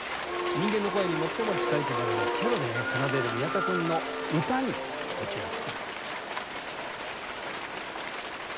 人間の声に最も近いといわれるチェロで奏でる宮田君の「歌」にご注目ください。